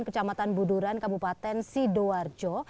kecamatan buduran kabupaten sidoarjo